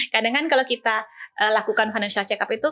kadang kan kalau kita lakukan financial check up itu